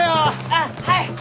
あっはい！